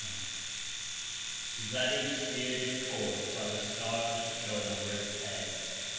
Zadig steer'd his Course by the Stars that shone over his Head.